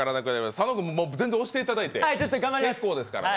佐野君押していただいて結構ですからね。